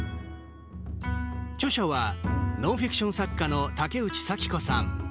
著者は、ノンフィクション作家の竹内早希子さん。